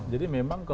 jadi memang kalau